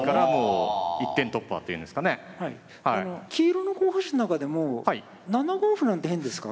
黄色の候補手の中でも７五歩なんて変ですか？